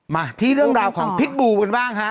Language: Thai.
มาที่เรื่องราวของพิษบูกันบ้างฮะ